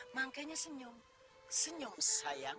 mangkanya senyum senyum sayang